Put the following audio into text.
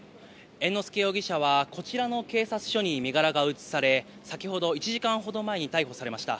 猿之助容疑者はこちらの警察署に身柄が移され、先ほど１時間ほど前に逮捕されました。